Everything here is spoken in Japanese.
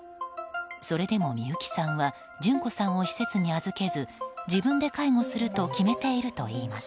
それでも美由紀さんは順子さんを施設に預けず自分で介護すると決めているといいます。